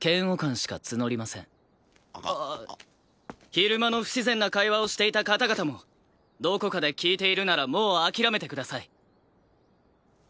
昼間の不自然な会話をしていた方々もどこかで聞いているならもう諦めてください。